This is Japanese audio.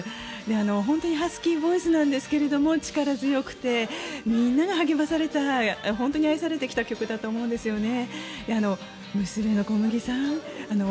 本当にハスキーボイスですけど力強くてみんなが励まされた本当に愛されてきた曲だと思うんですよね。